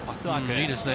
いいですね。